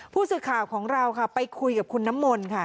ผู้สื่อข่าวของเราค่ะไปคุยกับคุณน้ำมนต์ค่ะ